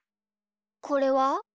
これは？